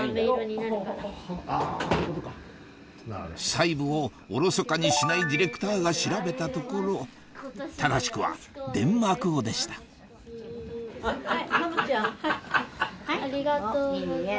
細部をおろそかにしないディレクターが調べたところ正しくはデンマーク語でしたいいえ。